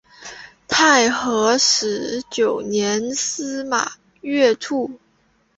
太和十九年司马跃卒。